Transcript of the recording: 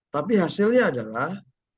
tapi hasilnya adalah